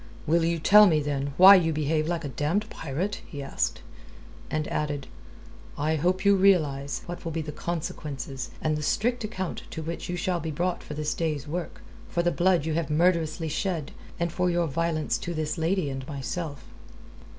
"Will you tell me, then, why you behave like a damned pirate?" he asked. And added: "I hope you realize what will be the consequences, and the strict account to which you shall be brought for this day's work, for the blood you have murderously shed, and for your violence to this lady and to myself."